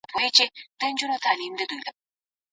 د هغه ځای معنا لري چې هلته اسونه یا اس سپاره موجود وي.